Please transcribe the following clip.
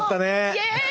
イエイ！